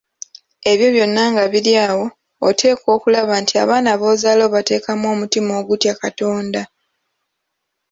Ebyo byonna nga biri awo, oteekwa okulaba nti abaana b’ozaala obateekamu omutima ogutya Katonda.